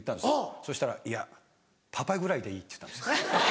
そしたら「いやパパぐらいでいい」って言ったんです。